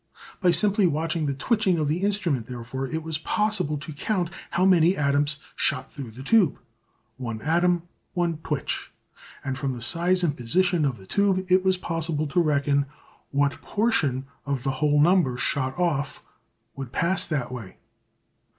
By simply watching the twitching of the instrument, therefore, it was possible to count how many atoms shot through the tube one atom one twitch. And from the size and position of the tube it was possible to reckon what proportion of the whole number shot off would pass that way.